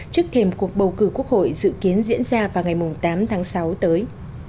trước thêm cuộc bầu cử quốc hội dự kiến diễn ra vào ngày tám tháng sáu tới